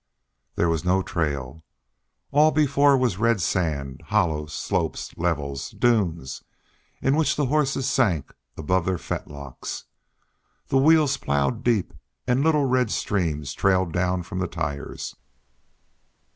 There was no trail. All before was red sand, hollows, slopes, levels, dunes, in which the horses sank above their fetlocks. The wheels ploughed deep, and little red streams trailed down from the tires.